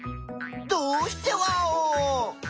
どうしてワオ！？